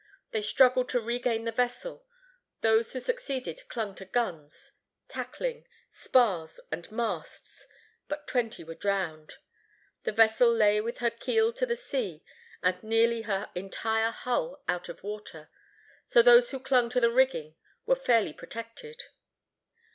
They struggled to regain the vessel; those who succeeded clung to guns, tackling, spars and masts; but twenty were drowned. The vessel lay with her keel to the sea and nearly her entire hull out of water; so those who clung to the rigging were fairly protected.